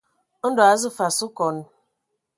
Ndɔ a azu fas okɔn.